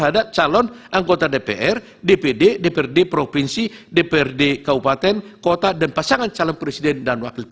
dan harus pula ada kebetulan